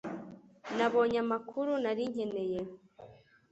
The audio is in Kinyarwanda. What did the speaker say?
Nabonye amakuru nari nkeneye